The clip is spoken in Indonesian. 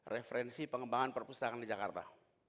referensi pengembangan perpustakaan di jakarta